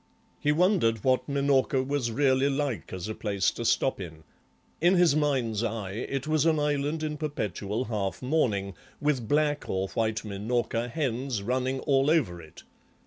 He wondered what Minorca was really like as a place to stop in; in his mind's eye it was an island in perpetual half mourning, with black or white Minorca hens running all over it.